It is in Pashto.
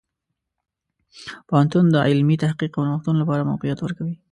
پوهنتون د علمي تحقیق او نوښتونو لپاره موقعیت ورکوي.